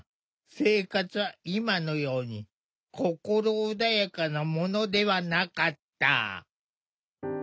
生活は今のように心穏やかなものではなかった。